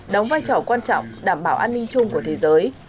đóng vai trò quan trọng đảm bảo an ninh chung của thế giới